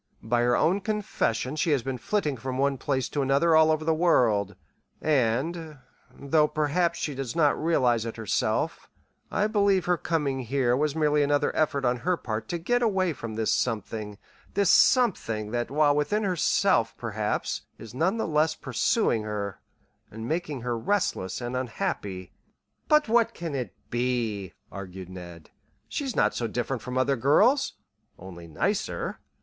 "By her own confession she has been flitting from one place to another all over the world; and, though perhaps she does not realize it herself, I believe her coming here was merely another effort on her part to get away from this something this something that while within herself, perhaps, is none the less pursuing her, and making her restless and unhappy." "But what can it be?" argued Ned. "She's not so different from other girls only nicer.